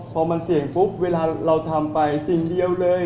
พอมันเสี่ยงปุ๊บเวลาเราทำไปสิ่งเดียวเลย